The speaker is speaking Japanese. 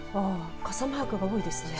傘マークが多いですね。